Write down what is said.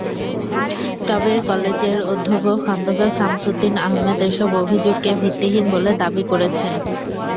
তবে কলেজের অধ্যক্ষ খন্দকার সামসুদ্দিন আহমেদ এসব অভিযোগকে ভিত্তিহীন বলে দাবি করেছেন।